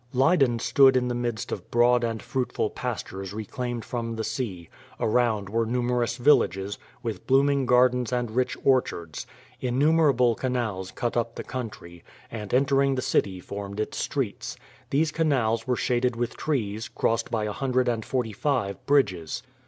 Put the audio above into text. Leyden stood in the midst of broad and fruitful pastures reclaimed from the sea; around were numerous villages, with blooming gardens and rich orchards. Innumerable canals cut up the country, and entering the city formed its streets. These canals were shaded with trees, crossed by a hundred and forty five bridges.